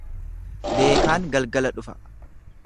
Beekaan galgala dhufa.